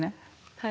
はい。